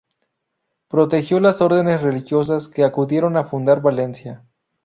Protegió las ordenes religiosas que acudieron a fundar Valencia.